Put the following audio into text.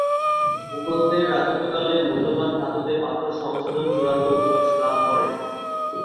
মুগলদের রাজত্বকালে মূল্যবান ধাতুতে পাথর সংযোজন চূড়ান্ত উৎকর্ষ লাভ করে।